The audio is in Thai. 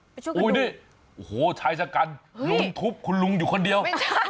โภโหชายสกัญลุงทุบคุณลุงอยู่คนเดียว